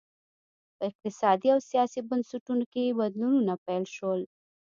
په اقتصادي او سیاسي بنسټونو کې بدلونونه پیل شول